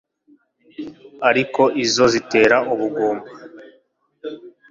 Ariko izo zitera ubugumba